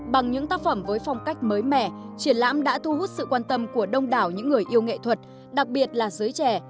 bằng những tác phẩm với phong cách mới mẻ triển lãm đã thu hút sự quan tâm của đông đảo những người yêu nghệ thuật đặc biệt là giới trẻ